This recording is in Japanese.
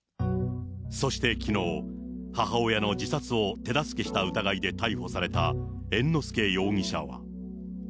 そしてきのう、母親の自殺を手助けした疑いで逮捕された猿之助容疑者は。